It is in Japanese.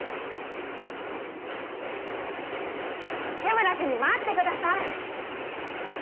ちょっ竹村主任待ってください！